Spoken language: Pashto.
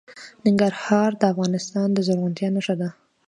ننګرهار د افغانستان د زرغونتیا نښه ده.